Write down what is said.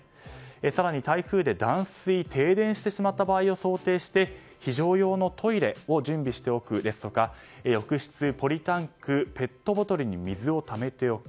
更に台風で断水・停電してしまった場合を想定して非常用のトイレを準備しておくとか浴室、ポリタンクペットボトルに水をためておく。